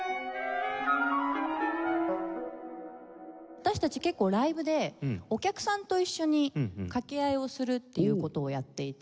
私たち結構ライブでお客さんと一緒にかけ合いをするっていう事をやっていて。